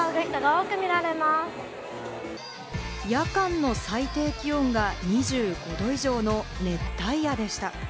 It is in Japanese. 夜間の最低気温が２５度以上の熱帯夜でした。